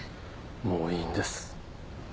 もういいんです。